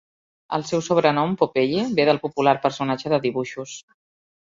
El seu sobrenom, Popeye, ve del popular personatge de dibuixos.